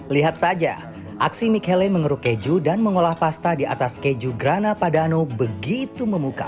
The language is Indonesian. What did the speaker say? lihat saja aksi michele mengeruk keju dan mengolah pasta di atas keju grana padano begitu memuka